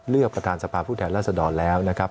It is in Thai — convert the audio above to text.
ประธานสภาพผู้แทนรัศดรแล้วนะครับ